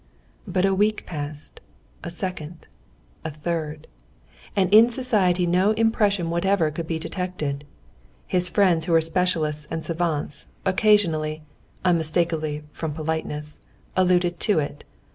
But a week passed, a second, a third, and in society no impression whatever could be detected. His friends who were specialists and savants, occasionally—unmistakably from politeness—alluded to it.